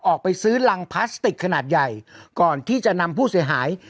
ออกไปซื้อรังพลาสติกขนาดใหญ่ก่อนที่จะนำผู้เสียหาย